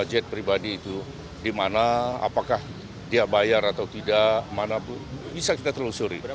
budget pribadi itu dimana apakah dia bayar atau tidak bisa kita telusuri